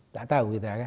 tak tahu kita kan